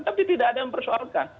tapi tidak ada yang mempersoalkan